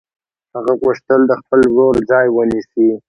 هغه غوښتل د خپل ورور ځای ونیسي